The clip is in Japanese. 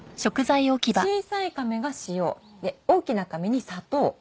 小さいかめが塩で大きなかめに砂糖。